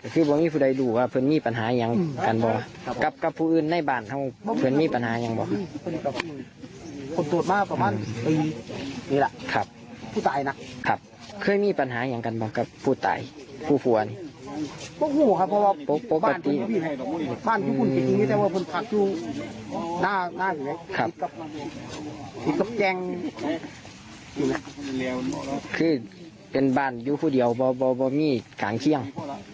คือเป็นบ้านยูฮูเดียวบ้านมีกลางเที่ยง